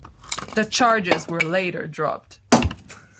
The charges were later dropped.